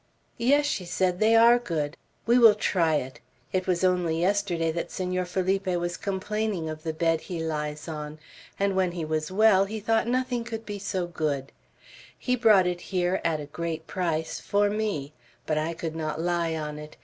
"Yes," she said, "they are good. We will try it. It was only yesterday that Senor Felipe was complaining of the bed he lies on; and when he was well, he thought nothing could be so good; he brought it here, at a great price, for me, but I could not lie on it.